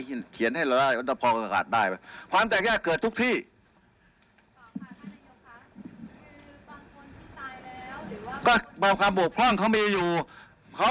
ก็เปิดไปผมไม่ได้รับสิทธิ์ตามกฎหมายอยู่แล้ว